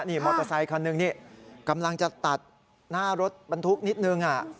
นี่มอเตอร์ไซคันหนึ่งนี่กำลังจะตัดหน้ารถบรรทุกนิดนึง